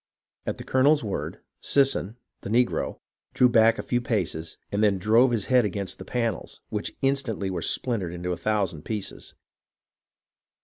At the colonel's word, Sisson, the negro, drew back a few paces, and then drove his head against the panels, which instantly were splintered into a thousand pieces.